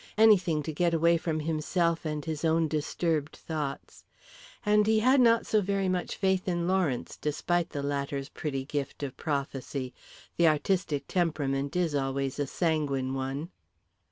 Anything to get away from himself and his own disturbed thoughts. And he had not so very much faith in Lawrence, despite the latter's pretty gift of prophecy. The artistic temperament is always a sanguine one.